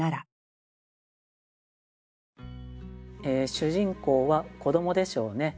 主人公は子どもでしょうね。